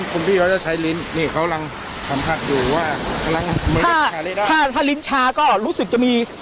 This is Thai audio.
คุณพี่เราจะใช้ลิ้นนี่เขาอยู่ว่าถ้าถ้าถ้าลิ้นชาก็รู้สึกจะมี